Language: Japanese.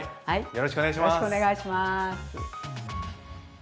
よろしくお願いします。